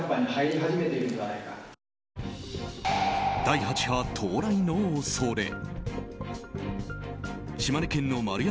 第８波到来の恐れ。